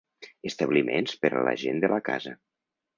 Establiments per a la gent de la casa.